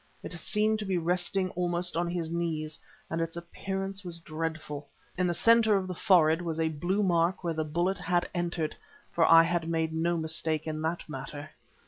It seemed to be resting almost on his knees, and its appearance was dreadful. In the centre of the forehead was a blue mark where the bullet had entered, for I had made no mistake in that matter.